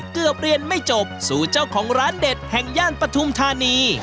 เกือบเรียนไม่จบสู่เจ้าของร้านเด็ดแห่งย่านปฐุมธานี